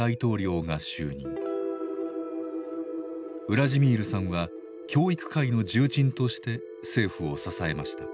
ウラジミールさんは教育界の重鎮として政府を支えました。